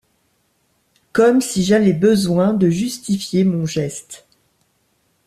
Comme si j'avais besoin de justifier mon geste.